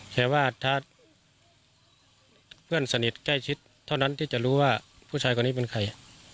แต่ว่าถ้าเพื่อนสนิทใกล้ชิดเท่านั้นที่จะรู้ว่าผู้ชายคนนี้เป็นใคร